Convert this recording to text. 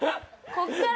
ここから。